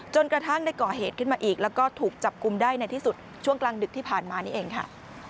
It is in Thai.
กระทั่งได้ก่อเหตุขึ้นมาอีกแล้วก็ถูกจับกลุ่มได้ในที่สุดช่วงกลางดึกที่ผ่านมานี่เองค่ะ